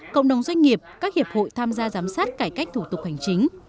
cộng đồng doanh nghiệp các hiệp hội tham gia giám sát cải cách thủ tục hành chính